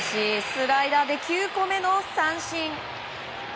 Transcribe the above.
スライダーで９個目の三振。